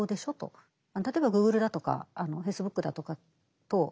例えばＧｏｏｇｌｅだとかＦａｃｅｂｏｏｋだとかと契約したんですよ。